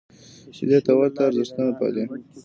چې دې ته ورته ارزښتونه پالي.